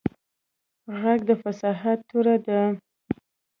غږ د فصاحت توره ده